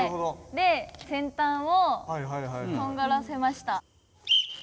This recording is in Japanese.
で先端をとんがらせました。